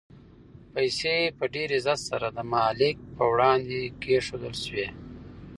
پیسې په ډېر عزت سره د مالک په وړاندې کېښودل شوې.